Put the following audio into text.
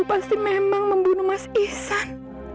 mas prabu pasti memang membunuh mas ihsan